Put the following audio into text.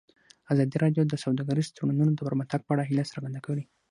ازادي راډیو د سوداګریز تړونونه د پرمختګ په اړه هیله څرګنده کړې.